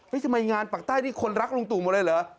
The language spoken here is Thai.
เฮ้สมัยงานปักใต้ที่คนรักลุงตุเหมือนเลยเหรอ